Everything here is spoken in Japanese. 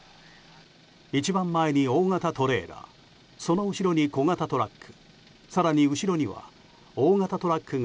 一番前に大型トレーラーその後ろに小型トラック。